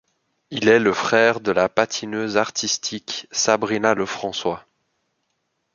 Il est le frère de la patineuse artistique Sabrina Lefrançois.